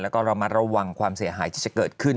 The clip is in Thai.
แล้วก็ระมัดระวังความเสียหายที่จะเกิดขึ้น